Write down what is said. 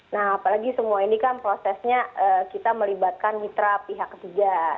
nah apalagi semua ini kan prosesnya kita melibatkan mitra pihak ketiga